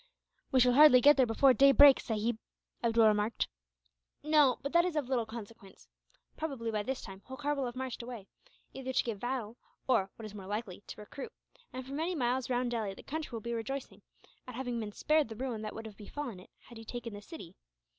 "We shall hardly get there before day breaks, sahib," Abdool remarked. "No; but that is of little consequence. Probably, by this time, Holkar will have marched away either to give battle or, what is more likely, to recruit; and for many miles round Delhi the country will be rejoicing, at having been spared the ruin that would have befallen it, had he taken the city.